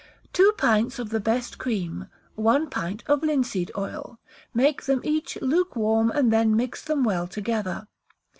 Two pints of the best cream, one pint of linseed oil; make them each lukewarm, and then mix them well together.